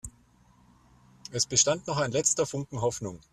Es bestand noch ein letzter Funken Hoffnung.